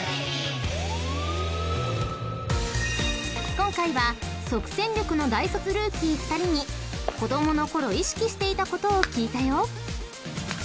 ［今回は即戦力の大卒ルーキー２人に子供の頃意識していたことを聞いたよ］